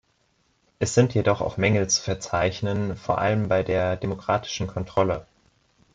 Es sind jedoch auch Mängel zu verzeichnen, vor allem bei der demokratischen Kontrolle.